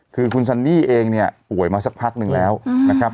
คือคุณซันนี่เองเนี่ยป่วยมาสักพักหนึ่งแล้วนะครับ